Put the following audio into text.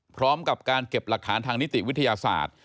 พร้อมกับการเก็บหลักฐานทางนิติวิทยาศาสตร์